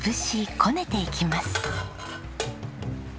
こねていきます。